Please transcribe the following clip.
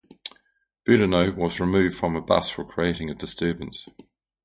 Boudinot was removed from a bus for creating a disturbance.